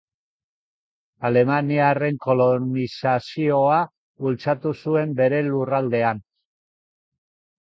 Alemaniarren kolonizazioa bultzatu zuen bere lurraldean.